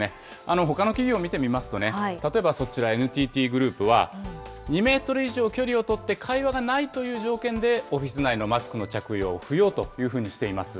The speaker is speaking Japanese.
ほかの企業を見てみますと、例えばそちら、ＮＴＴグループは、２メートル以上距離をとって会話がないという条件でオフィス内のマスクの着用を不要というふうにしています。